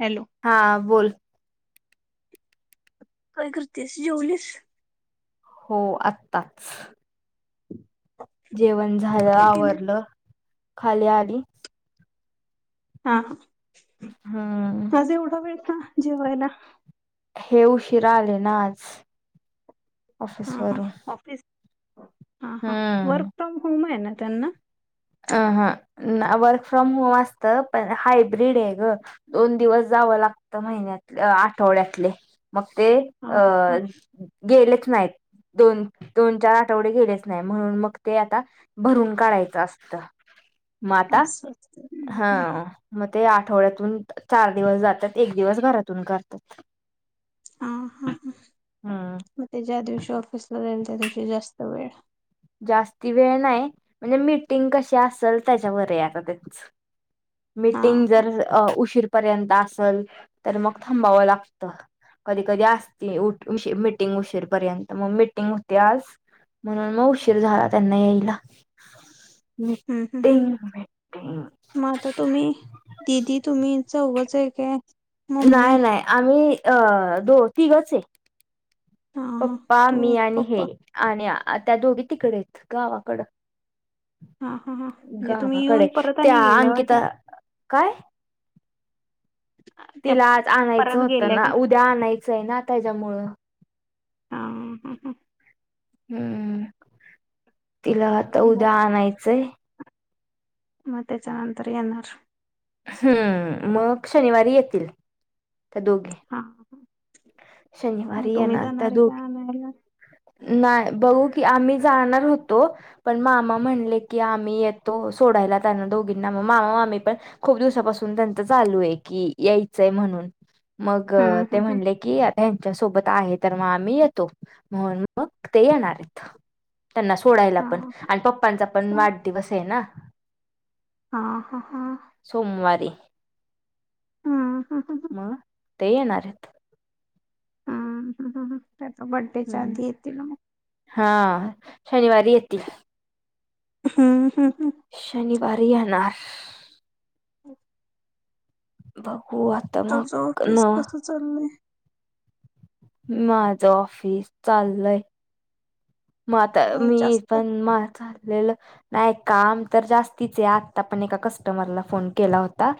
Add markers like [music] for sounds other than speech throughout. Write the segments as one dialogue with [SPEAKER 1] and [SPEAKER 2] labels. [SPEAKER 1] Hello
[SPEAKER 2] हां बोल
[SPEAKER 1] काय करतीयस जेवलीस
[SPEAKER 2] हो आत्ताच जेवण झालं.
[SPEAKER 1] काय केले
[SPEAKER 2] आवरलं खाली आली
[SPEAKER 1] हां हं
[SPEAKER 2] हम्म
[SPEAKER 1] आज एवढा वेळ का? जेवायला
[SPEAKER 2] हे उशीरा आले ना आज ऑफिसवरुन.
[SPEAKER 1] हं हं वर्क फ्रॉम होम आहे ना. त्यांना?
[SPEAKER 2] अं ह्ं वर्क फ्रॉम होम असत, पण हायब्रीड ए गं दोन दिवस जावं लागत महिन्यातले अ् आठवड्यातले. मग ते
[SPEAKER 1] हा हा
[SPEAKER 2] अ- गेलेत. नाहीत दोन- दोन चार आठवडे गेलेच नाही म्हणून, मग ते आता भरून काढायचं. त म् आता?
[SPEAKER 1] असं
[SPEAKER 2] हा म् ते आ्. आठवड्यातून चार दिवस जात्यात एक दिवस घरातून करतात.
[SPEAKER 1] हम् हुं
[SPEAKER 2] हम्म.
[SPEAKER 1] म् ते ज्या दिवशी ऑफीसला जाईल. त्या दिवशी जास्त वेळ.
[SPEAKER 2] जास्ती वेळ नाही म्हणजे मिटिंग कशी असेल त त्याच्यावर आहे आता त्यांच.
[SPEAKER 1] हा
[SPEAKER 2] मीटिंग
[SPEAKER 1] हम्म
[SPEAKER 2] जरअ उशीरपर्यंत अस्- चल, तर मग थांबाव लागत कधी कधी असती उट मीसि्ं मीटिंग उशीरपर्यंत म् मीटिंंग होती आज म्हणून म् उशी्- उशीर झाला त्यांना यायला.
[SPEAKER 1] हुं हुं हुं
[SPEAKER 2] मीटिंग
[SPEAKER 1] हुं
[SPEAKER 2] मीटिंग
[SPEAKER 1] म आता तुम्ही, दिदी तुम्ही चौघच- [unintelligible] मम्मी
[SPEAKER 2] नाय नाय आम्ही- आं दो तिघच ए.
[SPEAKER 1] हा हा
[SPEAKER 2] पप्पा
[SPEAKER 1] तू
[SPEAKER 2] मी आणि हे
[SPEAKER 1] पप्पा
[SPEAKER 2] आणि आणि - आ त्या दोघी तिकडेहेत गावाकडं.
[SPEAKER 1] हा हा हा म्हणजे तुम्ही
[SPEAKER 2] गावाकडे
[SPEAKER 1] येऊन परत आणि
[SPEAKER 2] त्या
[SPEAKER 1] गेल्या होत्या
[SPEAKER 2] अंकिता काय?
[SPEAKER 1] त्या त्या
[SPEAKER 2] तिला आज आणायचं
[SPEAKER 1] परत
[SPEAKER 2] होतं
[SPEAKER 1] गेल्या
[SPEAKER 2] ना?
[SPEAKER 1] काय
[SPEAKER 2] उद्या आणायचंय ना? त्याच्यामुळ.
[SPEAKER 1] हां हंहं.
[SPEAKER 2] हुं. तिला आता उद्या आणायचंय.
[SPEAKER 1] म त्याच्यानंतर येणार.
[SPEAKER 2] हं, मग शनिवारी येतील. त्या दोघी-
[SPEAKER 1] म
[SPEAKER 2] शनिवारी
[SPEAKER 1] तुम्ही जाणार आहे काय आणयला?
[SPEAKER 2] नाय. बघूकी आम्ही जाणार होतो- पण मामा म्हनले की, आम्ही येतो सोडायला त्यांना दोघींना मामामामी पण खूप दिवसापासून त्यांच चालू आहे की यायचंय म्हणून. मग
[SPEAKER 1] हम्म
[SPEAKER 2] ते
[SPEAKER 1] हम्म हम्म.
[SPEAKER 2] म्हटले- ती आता ह्यांच्या सोबत आहे तर मग आम्ही येतो म्हणून ते येणारयेत. त्यांना सोडायला पण
[SPEAKER 1] हा
[SPEAKER 2] आणि पप्पांचा पण वाढदिवस आहे ना.
[SPEAKER 1] हां हां हां.
[SPEAKER 2] सोमवारी
[SPEAKER 1] हां, हां.
[SPEAKER 2] म ते येणारेत.
[SPEAKER 1] हां हां हां. त्याच्या बर्डेच्या
[SPEAKER 2] हम्म
[SPEAKER 1] आधी येतील ना म.
[SPEAKER 2] [inaudible] शनिवारी येत्ती.
[SPEAKER 1] हम्म हम्म. हम्म.
[SPEAKER 2] शनिवारी येणार.
[SPEAKER 1] [inaudible]
[SPEAKER 2] भव
[SPEAKER 1] तुझं ऑफिस कसं चाललंय?
[SPEAKER 2] माझं ऑफिस चाललंय म आता
[SPEAKER 1] काय
[SPEAKER 2] मी
[SPEAKER 1] जास्त
[SPEAKER 2] पण. [unintelligible] लेलं नाही काम तर जास्तीच आहे, आता पण एका कस्टमरला फोन केला होता.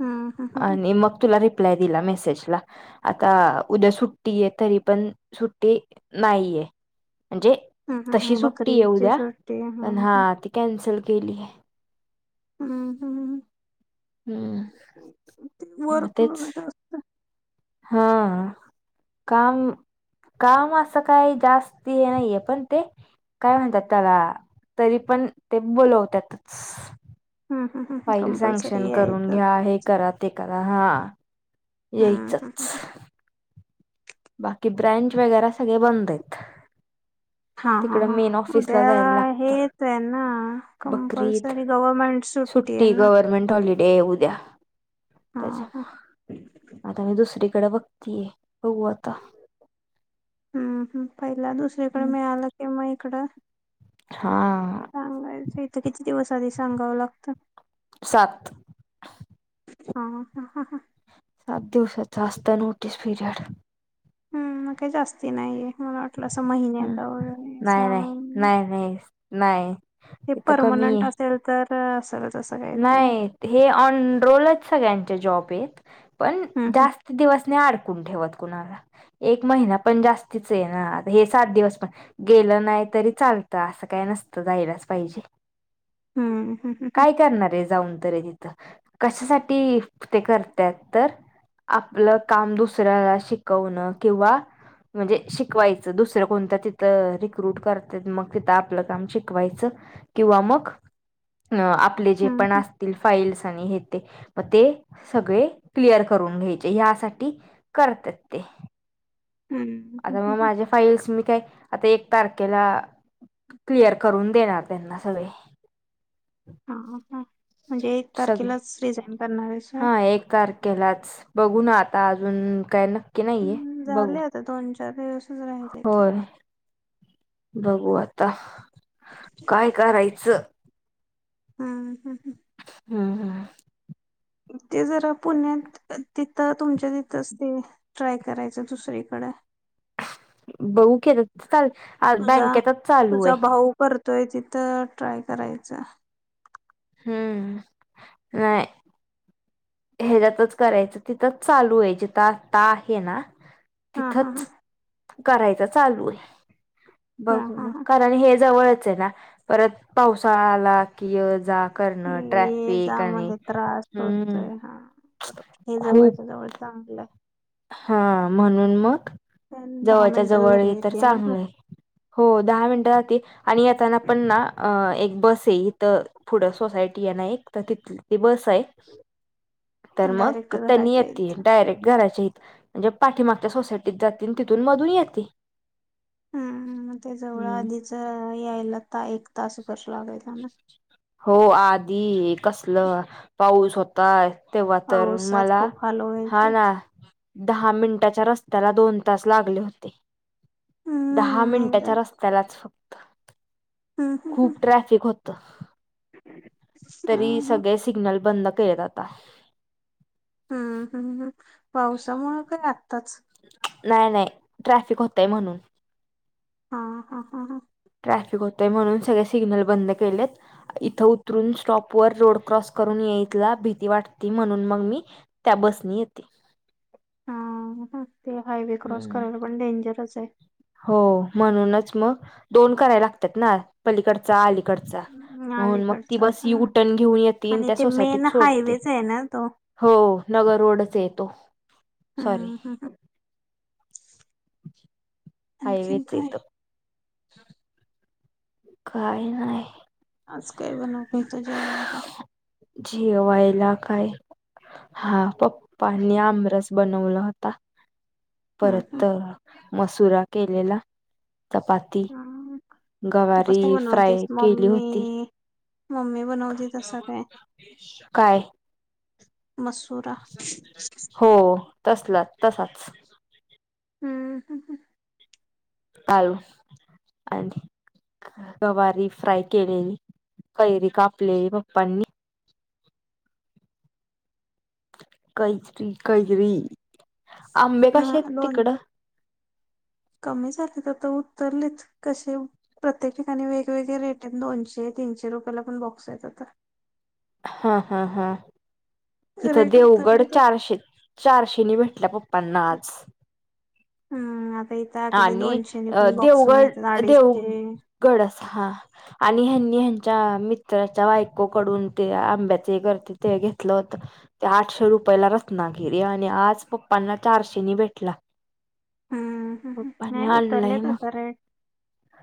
[SPEAKER 1] हम्म हम्म हम्म
[SPEAKER 2] आणि मग तुला रेप रिप्लाय दिला मेसेजला, आता उद्या सुट्टी आहे तरी पण सुट्टी नाहीये. म्हणजे,
[SPEAKER 1] हम्म हम्म हम्म.
[SPEAKER 2] तशी
[SPEAKER 1] हम्म.
[SPEAKER 2] सुट्टी ये
[SPEAKER 1] बकरीची
[SPEAKER 2] उद्या
[SPEAKER 1] सुट्टी
[SPEAKER 2] पण
[SPEAKER 1] हम्म
[SPEAKER 2] हां
[SPEAKER 1] हम्म
[SPEAKER 2] ती कॅन्सल केली आहे.
[SPEAKER 1] हां हां हां. ते
[SPEAKER 2] हम्म हा तेच
[SPEAKER 1] वर्कलोड जास्त
[SPEAKER 2] हां काम, काम असं काही जास्ती नाहीये पण ते काय म्हणतात त्याला तरी पण ते बोलवत्यातचं.
[SPEAKER 1] हम्म हम्म हम्म.
[SPEAKER 2] फाईल
[SPEAKER 1] कंपल्सरी
[SPEAKER 2] सेंक्शन करून
[SPEAKER 1] यायचं
[SPEAKER 2] घ्या, हे करा ते करा हा.
[SPEAKER 1] हम्म हम्म
[SPEAKER 2] येईचच. बाकी ब्रेंच वगैरा सगळे बंद आहेत.
[SPEAKER 1] हा हा
[SPEAKER 2] तिकड
[SPEAKER 1] हां
[SPEAKER 2] मेन ऑफिसला
[SPEAKER 1] उद्या
[SPEAKER 2] जायला लागतं
[SPEAKER 1] हेच आहे ना
[SPEAKER 2] बकरीद
[SPEAKER 1] कंपल्सरी गव्हर्मेंट सुट्टी आहे ना.
[SPEAKER 2] डे उद्या.
[SPEAKER 1] हा
[SPEAKER 2] त्याचा,
[SPEAKER 1] हा
[SPEAKER 2] आता मी दुसरी इकडं बघतीय होऊव
[SPEAKER 1] हम्म ह पहिला दुसरीकडं मिळालं की म इ इकडं
[SPEAKER 2] हा
[SPEAKER 1] सांगायचं इथं किती दिवस आधी सांगावं लागतं.
[SPEAKER 2] सात
[SPEAKER 1] हा हा हा ह.
[SPEAKER 2] सात दिवसाचा असतो नोटीस पिरियड.
[SPEAKER 1] हम्म मग काय जास्ती नाहीये. मला वाटलं असं
[SPEAKER 2] हम्म
[SPEAKER 1] महिन्यात
[SPEAKER 2] नाही
[SPEAKER 1] सहा
[SPEAKER 2] नाही
[SPEAKER 1] महिने,
[SPEAKER 2] नाही नाही नाही
[SPEAKER 1] हे
[SPEAKER 2] इथं कमी
[SPEAKER 1] परमनंट
[SPEAKER 2] आहे
[SPEAKER 1] असेल तर तर सगळ.
[SPEAKER 2] नाही, हे ऑन रोलच सगळ्यांचे जॉब. पेत पण
[SPEAKER 1] हम्म
[SPEAKER 2] जास्त दिवस नाही अडकून ठेवत. कुणाला? एक महिना पण जास्तीचाय ना. हे सात दिवस पण गेलं नाही तरी चालतं असं काय नसतं जायलाच पाहिजेच.
[SPEAKER 1] हम्म हम्म हम ह.
[SPEAKER 2] आरे जेऊन तरी तिथ कशासाठी ते करत्यात तर, आपलं काम दुसऱ्याला शिकवण किंवा म्हणजे शिकवायचं दुसरं कोणत तिथ रिक्रुट करत्यात मग तिथ आपलं काम शिकवायच किंवा मग अं आप आपले जे
[SPEAKER 1] हम्म
[SPEAKER 2] पण
[SPEAKER 1] हम्म
[SPEAKER 2] असतील फाईल्स आणि हे ते, म ते सगळे क्लिअर करून घ्यायचे यासाठी करतात ते.
[SPEAKER 1] हम्म हम्म हम्म
[SPEAKER 2] आता
[SPEAKER 1] हम्म,
[SPEAKER 2] मग
[SPEAKER 1] हम्म.
[SPEAKER 2] माझे फाईल्स मी काय आता एक तारखेला क्लिअर करून देणार त्यांना सगळे.
[SPEAKER 1] हा हा. म्हणजे एक
[SPEAKER 2] सगळे
[SPEAKER 1] तारखेलाच रिझाईन करणार आहेस होय
[SPEAKER 2] हा एक तारखेलाच बघू ना आता [unintelligible] की नाहीे बघू.
[SPEAKER 1] [inaudible] राहील की.
[SPEAKER 2] होय बघू आता. काय करायच.
[SPEAKER 1] हम्म हम्म.
[SPEAKER 2] हम हम.
[SPEAKER 1] ते जरा पुण्यात तिथं तुमच्या तिथंच ते ट्राय करायच दुसरीकड.
[SPEAKER 2] बघू की. चल आज बँकेतच चालू ये.
[SPEAKER 1] तोय तिथं ट्राय करायच.
[SPEAKER 2] हम्म नाय. ह्याच्यातच करायच तिथच चालू ये जिथ आता आहे ना.
[SPEAKER 1] हा, हा, हा
[SPEAKER 2] तिथंच करायचं चालू आहे बघ
[SPEAKER 1] हा हा
[SPEAKER 2] मग
[SPEAKER 1] हा
[SPEAKER 2] कारण हे जवळ चला परत पावसाळा आला की य जा करणं
[SPEAKER 1] ये
[SPEAKER 2] ट्राफिक
[SPEAKER 1] जा
[SPEAKER 2] आणि
[SPEAKER 1] मध्ये त्रास
[SPEAKER 2] हम्म
[SPEAKER 1] होतोय हा बरोबर हे
[SPEAKER 2] खूप
[SPEAKER 1] जवळच्या जवळ चांगल आहे
[SPEAKER 2] हा म्हणून मग
[SPEAKER 1] पण दहा
[SPEAKER 2] जवळच्या
[SPEAKER 1] मिनिटात
[SPEAKER 2] जवळ
[SPEAKER 1] घरी
[SPEAKER 2] तर
[SPEAKER 1] येते ना तू
[SPEAKER 2] चांगलं हो दहा मिनट राती आणि येताना पण ना अ एक बस ये इथ पुढं सोसायटीयना एक तर तिथली ती बस तय तर मग
[SPEAKER 1] डायरेक्ट
[SPEAKER 2] त्यांनी
[SPEAKER 1] घरात
[SPEAKER 2] येतीय
[SPEAKER 1] यायचं
[SPEAKER 2] डायरेक्ट घराची म्हणजे पाठीमागच्या सोसायटीत जातील तिथून मधून येती
[SPEAKER 1] हम्ग ते जवळ आधीच यायला ता एक तास [unintelligible]
[SPEAKER 2] हो आधी कसलं पाऊस होताय तेव्हा तरं
[SPEAKER 1] पावसात
[SPEAKER 2] मला
[SPEAKER 1] खूप हाल
[SPEAKER 2] हा
[SPEAKER 1] व्हायचे
[SPEAKER 2] ना दहा मिनटाच्या रस्त्याला दोन तास लागले होते दहा
[SPEAKER 1] हम्म एकदा
[SPEAKER 2] मिनटाच्या रस्त्यालाच
[SPEAKER 1] हम्म
[SPEAKER 2] [inaudible]
[SPEAKER 1] हम्म
[SPEAKER 2] खूप ट्रॅफिक हो त तरी
[SPEAKER 1] हम्म हा, हा.
[SPEAKER 2] सगळे सिग्नल बंद तेराता
[SPEAKER 1] पावसामुळं काय आत्ताच
[SPEAKER 2] नाय नाई ट्रॅफिक होतय म्हणून
[SPEAKER 1] हा, हा, हा, हा
[SPEAKER 2] ट्रॅफिक होतय म्हणून सगळे सिग्नल बंद केलेत इथं उतरून स्टॉप वर रोड क्रॉस करून याईला भीती वाटती म्हणून मग मी त्या बसनी येते.
[SPEAKER 1] हा हा. ते हायवे क्रॉस
[SPEAKER 2] हम्म.
[SPEAKER 1] करायला पण डेंजरच हाय
[SPEAKER 2] हो म्हणूनच मग दोन कराय लागतात ना पलीकडचा अली कडचा
[SPEAKER 1] हम्म,
[SPEAKER 2] म्हणून मग ती
[SPEAKER 1] अलीकडचा
[SPEAKER 2] बस
[SPEAKER 1] हा.
[SPEAKER 2] युटन घेऊन येती
[SPEAKER 1] आणि
[SPEAKER 2] त्या
[SPEAKER 1] ते मेन
[SPEAKER 2] सोसायटीत सोडते
[SPEAKER 1] हायवेच आहे ना तो
[SPEAKER 2] हो नगर रोडच हाय तो
[SPEAKER 1] हम्म
[SPEAKER 2] सॉरी
[SPEAKER 1] हम्म हम्म.
[SPEAKER 2] [inaudible]
[SPEAKER 1] आणखीन
[SPEAKER 2] हायवेचं हाय
[SPEAKER 1] काय
[SPEAKER 2] तो काय नाय
[SPEAKER 1] आज काय बनवताय जेवायला
[SPEAKER 2] जेवायला काय हा पप्पांनी आमरस बनवला होता.
[SPEAKER 1] हम्म
[SPEAKER 2] परत
[SPEAKER 1] हम्म
[SPEAKER 2] अ म्हसुरा केलेला. चपाती
[SPEAKER 1] हम्म. तू
[SPEAKER 2] गवारी
[SPEAKER 1] कसं
[SPEAKER 2] फ्राय केली होती.
[SPEAKER 1] ममी बनवती तस काय?
[SPEAKER 2] काय
[SPEAKER 1] मसुरा
[SPEAKER 2] हो तसलाच तसाच.
[SPEAKER 1] हम्म ह हं
[SPEAKER 2] घालून आणि गवारी फ्राय केलेली कैरी कापलेली पप्पांनी [unintelligible] आंबे कसे
[SPEAKER 1] हम्म.
[SPEAKER 2] हाइत
[SPEAKER 1] अ लोण
[SPEAKER 2] तिकडं?
[SPEAKER 1] कमी झालेत आता उतरलेत कसे प्रत्येक ठिकाणी वेगवेगळे रेट दोनशे तीनशे रुपयला पण बॉक्स हाइत आता.
[SPEAKER 2] हं हा हा इथं
[SPEAKER 1] रेट
[SPEAKER 2] देवगड
[SPEAKER 1] उतरलेत आता
[SPEAKER 2] चारशे चारशेनी भेटला पप्पांना आज
[SPEAKER 1] हम्म अ
[SPEAKER 2] आणि देवगड
[SPEAKER 1] अडीचशे
[SPEAKER 2] देवगड हा आणि ह्यांनी च्या मित्राच्या बायकोकडून ते आंब्याचे करते ते घेतलं होत ते आठशे रुपयाला रत्नागिरी आणि आज पप्पांना चारशेनी भेटला
[SPEAKER 1] हम्म
[SPEAKER 2] पप्पानी
[SPEAKER 1] नाही
[SPEAKER 2] आणलाय
[SPEAKER 1] उतरलेच
[SPEAKER 2] मग
[SPEAKER 1] आता रेट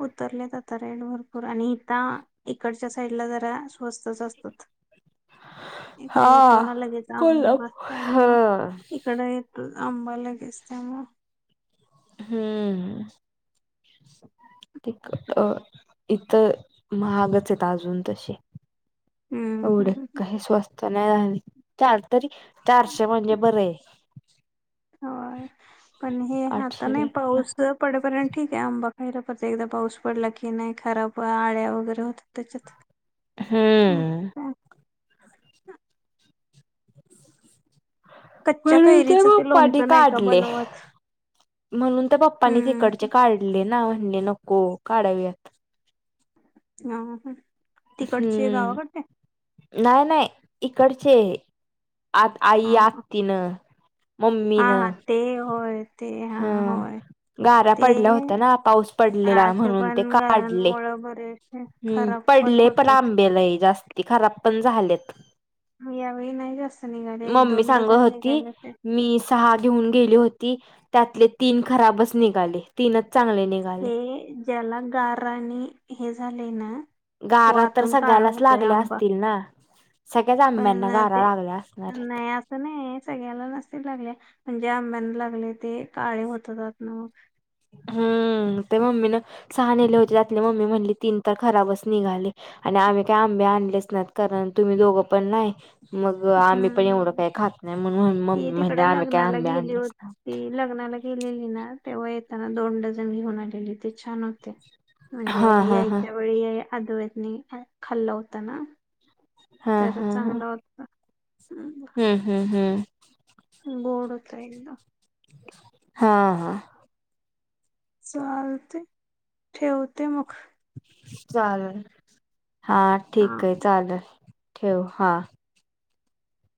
[SPEAKER 1] उतरलेत आता. आता काय इकडं भरपूर आणि इथ इकडच्या साईडला जरा स्वस्तच असतात. इकडे येतो
[SPEAKER 2] हा
[SPEAKER 1] ना लगेच आंबा
[SPEAKER 2] कोल्हापूर हा
[SPEAKER 1] त्यामुळे इकडे येतो. आंबा लगेच त्यामूळे
[SPEAKER 2] हम्म अ इथं महागच आहेत अजून तसे
[SPEAKER 1] हम्म
[SPEAKER 2] एवढ
[SPEAKER 1] हम्म
[SPEAKER 2] काय स्वस्थ [unintelligible]
[SPEAKER 1] होय पण हे आता नाही
[SPEAKER 2] आठशे
[SPEAKER 1] पाऊस पडेपर्यंत ठीक आहे आंबा पहिला परत एकदा पाऊस पडला की नाही खराब आळ्या वगैरे होतात त्याच्यात मग
[SPEAKER 2] हम्म
[SPEAKER 1] काय
[SPEAKER 2] [inaudible]
[SPEAKER 1] कच्च्या
[SPEAKER 2] म्हणून त्या
[SPEAKER 1] कैरीचं ते
[SPEAKER 2] पप्पानी
[SPEAKER 1] लोणचं नाही का
[SPEAKER 2] काढले
[SPEAKER 1] बनवत
[SPEAKER 2] म्हणून त्या पप्पानी
[SPEAKER 1] हम्म
[SPEAKER 2] तिकडचे काढले ना! म्हनले नको काढूयात.
[SPEAKER 1] ह ह तिकडचे
[SPEAKER 2] हम्म
[SPEAKER 1] गावाकडचे?
[SPEAKER 2] नाही नाही इकडचे आत आई
[SPEAKER 1] हा हा
[SPEAKER 2] आत्तीन
[SPEAKER 1] हा
[SPEAKER 2] मम्मीन
[SPEAKER 1] हा ते होय ते हा
[SPEAKER 2] हं
[SPEAKER 1] होय
[SPEAKER 2] गाऱ्या
[SPEAKER 1] ते
[SPEAKER 2] पडल्या होत्या ना पाऊस पडलेला
[SPEAKER 1] असे
[SPEAKER 2] म्हणून ते
[SPEAKER 1] पण
[SPEAKER 2] काढले
[SPEAKER 1] गारांमुळे बरेच
[SPEAKER 2] हं
[SPEAKER 1] खराब
[SPEAKER 2] पडले पण
[SPEAKER 1] होतात
[SPEAKER 2] आंबे लई जास्ती खराब पण झालेत
[SPEAKER 1] यावेळी नाही जास्त निघाले एक
[SPEAKER 2] मम्मी
[SPEAKER 1] दोन
[SPEAKER 2] सांगत
[SPEAKER 1] डझन
[SPEAKER 2] होती
[SPEAKER 1] निघाले होते.
[SPEAKER 2] मी सहा घेऊन गेली होती? त्यातले तीन खराबच निघाले तीनच चांगले निघाले
[SPEAKER 1] हे ज्याला गारा आणि हे झाले ना तो
[SPEAKER 2] गारा तर
[SPEAKER 1] आतून काळा
[SPEAKER 2] सगळ्यालाच
[SPEAKER 1] होतोय
[SPEAKER 2] लागल्या
[SPEAKER 1] आंबा
[SPEAKER 2] असतील ना? सगळ्याच आंब्यांना
[SPEAKER 1] पण
[SPEAKER 2] गारा
[SPEAKER 1] ते
[SPEAKER 2] लागल्या असणार आहेत.
[SPEAKER 1] नाही असं नाही सगळ्याला नसतील लागल्या म्हणजे आंब्यांना लागले ते काळे होतात आतन
[SPEAKER 2] हम्म ते मम्मीन सहा नेले होते त्यातले मम्मी म्हणली तीन तर खराबच निघाले आणि आम्ही काही आंबे आणलेच नात कारण तुम्ही दोघं पण नाही? मग आम्ही पण एवढं
[SPEAKER 1] हम्म
[SPEAKER 2] काही खात नाही म्हणून
[SPEAKER 1] ती
[SPEAKER 2] मम्मी
[SPEAKER 1] तिकड
[SPEAKER 2] म्हणली आम्ही काही
[SPEAKER 1] लग्नाला
[SPEAKER 2] आंबे
[SPEAKER 1] गेली
[SPEAKER 2] आणतच
[SPEAKER 1] होती
[SPEAKER 2] नाही.
[SPEAKER 1] ती लग्नाला गेलेली ना तेव्हा येताना दोन डझन घेऊन आलेली ते छान होते म्हणजे
[SPEAKER 2] हा हा हा
[SPEAKER 1] यायच्या वेळी या अद्वैतन पण खाल्ला होता ना
[SPEAKER 2] हा
[SPEAKER 1] तर
[SPEAKER 2] हा हा
[SPEAKER 1] चांगलं होता.
[SPEAKER 2] हम्म हम्म हम्म
[SPEAKER 1] गोड खायला
[SPEAKER 2] हा हा
[SPEAKER 1] चालतंय ठेवते मग.
[SPEAKER 2] [inaudible] हा ठीक आहे
[SPEAKER 1] हा
[SPEAKER 2] चालंल ठेव हा